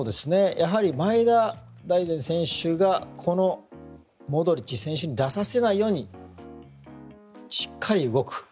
やはり前田大然選手がこのモドリッチ選手に出させないようにしっかり動く。